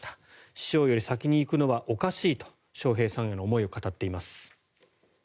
師匠より先に逝くのはおかしいと笑瓶さんへの思いを語っています。